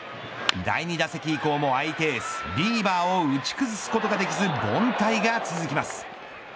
第２打席以降も相手エース、ビーバーを打ち崩すことができず凡退が続きます。